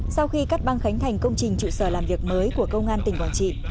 sau khi cắt băng khánh thành công trình trụ sở làm việc mới của công an tỉnh quảng trị